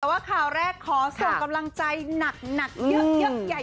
แต่ว่าคำแรกขอส่งกำลังใจหนักเยอะ